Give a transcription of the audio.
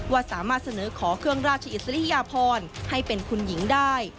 ว่าสามารถเสนอขอเครื่องราชอิสริยพรให้เป็นคุณหญิงได้